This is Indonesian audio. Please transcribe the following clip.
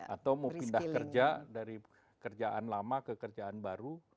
atau mau pindah kerja dari kerjaan lama ke kerjaan baru